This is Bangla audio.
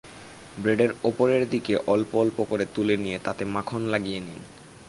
ব্রেডের ওপরের দিকে অল্প অল্প করে তুলে নিয়ে তাতে মাখন লাগিয়ে নিন।